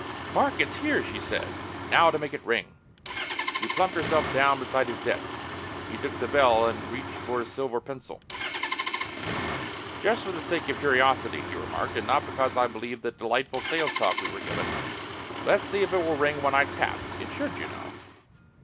"Mark, it's here!" she said. "Now to make it ring." She plumped herself down beside his desk. He took the bell and reached for a silver pencil. "Just for the sake of curiosity," he remarked, "and not because I believe that delightful sales talk we were given, let's see if it will ring when I tap. It should, you know."